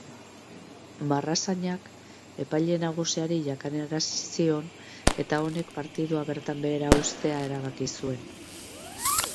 Marrazainak epaile nagusiari jakinarazi zion eta honek partida bertan behera uztea erabaki zuen.